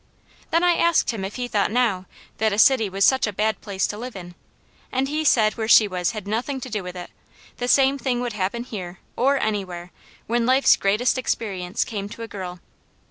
Then I asked him if he thought now, that a city was such a bad place to live in, and he said where she was had nothing to do with it, the same thing would happen here, or anywhere, when life's greatest experience came to a girl.